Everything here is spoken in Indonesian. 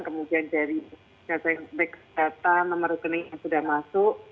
kemudian dari data nomor rekening yang sudah masuk